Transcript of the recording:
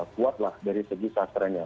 kuat lah dari segi sasarannya